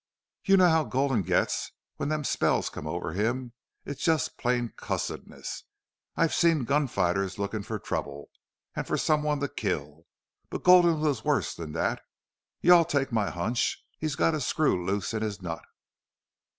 "You know how Gulden gets when them spells come over him. It's just plain cussedness. I've seen gunfighters lookin' for trouble for someone to kill. But Gulden was worse than that. You all take my hunch he's got a screw loose in his nut.